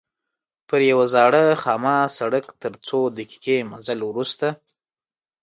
پر یوه زاړه خامه سړک تر څو دقیقې مزل وروسته.